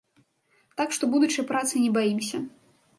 Так што будучай працы не баімся.